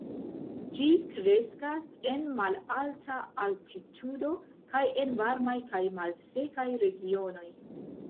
Ĝi kreskas en malalta altitudo kaj en varmaj kaj malsekaj regionoj.